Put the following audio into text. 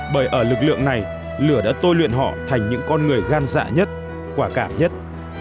bởi ở lực lượng này lửa đã tôi luyện họ thành những con người gan dạ nhất quả cảm nhất